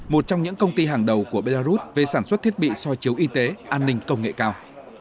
một trong những công ty hàng đầu của belarus về sản xuất thiết bị soi chiếu y tế an ninh công nghệ cao